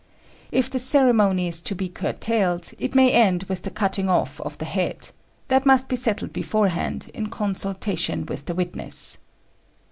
If the ceremony is to be curtailed, it may end with the cutting off of the head: that must be settled beforehand, in consultation with the witness.